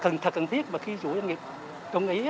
nó thật cần thiết mà khi chủ doanh nghiệp công ý